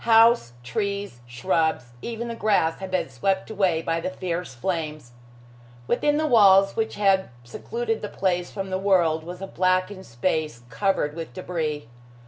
House, trees, shrubs, even the grass had been swept away by the fierce flames. Within the walls which had secluded the place from the world was a blackened space covered with debris.